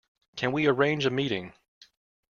Can we arrange a meeting?